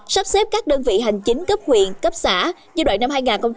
sắp xếp các đơn vị hành chính cấp huyện cấp xã giai đoạn năm hai nghìn một mươi chín hai nghìn hai mươi một